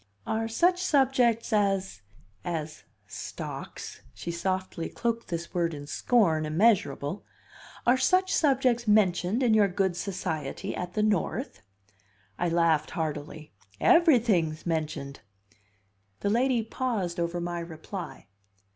"Are such subjects as as stocks" (she softly cloaked this word in scorn immeasurable) "are such subjects mentioned in your good society at the North?" I laughed heartily. "Everything's mentioned!" The lady paused over my reply.